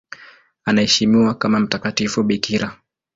Anaheshimiwa kama mtakatifu bikira.